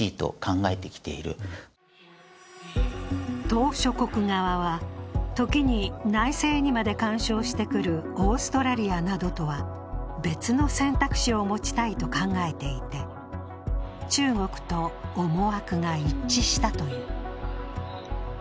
島しょ国側は時に内政にまで干渉してくるオーストラリアなどとは別の選択肢を持ちたいと考えていて、中国と思惑が一致したという。